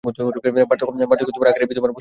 পার্থক্য আকারেই বিদ্যমান, বস্তুতে নয়।